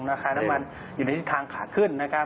ราคาน้ำมันอยู่ในทางขาขึ้นนะครับ